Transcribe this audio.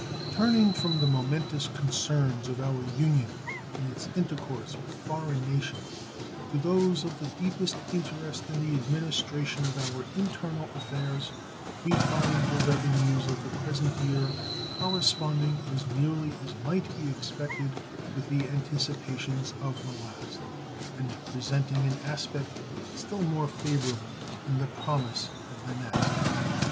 Turning from the momentous concerns of our Union in its intercourse with foreign nations to those of the deepest interest in the administration of our internal affairs, we find the revenues of the present year corresponding as nearly as might be expected with the anticipations of the last, and presenting an aspect still more favorable in the promise of the next.